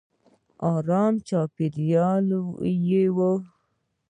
ارامه چاپېریال یې و.